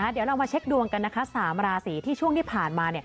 เดี๋ยวเรามาเช็คดวงกันนะคะ๓ราศีที่ช่วงที่ผ่านมา